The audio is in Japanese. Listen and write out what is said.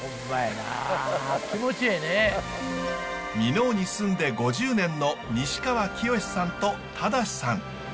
箕面に住んで５０年の西川きよしさんと忠志さん。